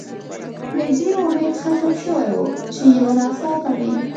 نږدې امید ختم شوی و، چې یو ناڅاپه مې.